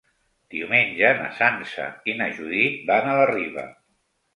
Diumenge na Sança i na Judit van a la Riba.